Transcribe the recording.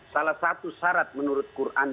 salah satu syarat menurut quran